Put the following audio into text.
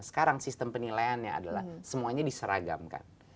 sekarang sistem penilaiannya adalah semuanya diseragamkan